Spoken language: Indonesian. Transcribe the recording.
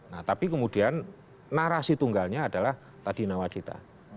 nah tapi kemudian narasi tunggalnya adalah tadi nawacita